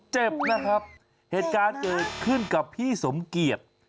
เจ็บนะครับเหตุการณ์เกิดขึ้นกับพี่สมเกียจ